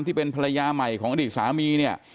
ที่เป็นภรรยาใหม่ของอดีตสามีเนี่ย